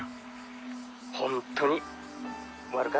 「本当に悪かった」